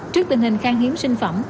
trước tình hình khang hiếm sinh phẩm